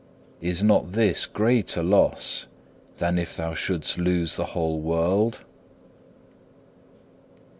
Is not this greater loss than if thou shouldst lose the whole world?